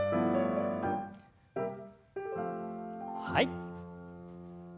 はい。